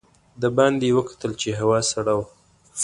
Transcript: د باندې یې وکتل چې هوا سړه وه.